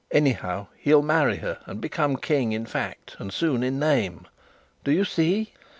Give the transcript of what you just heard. Anyhow, he'll marry her, and become king in fact, and soon in name. Do you see?"